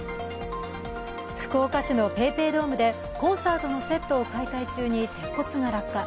福岡市のＰａｙＰａｙドームでコンサートのセットを解体中に鉄骨が落下。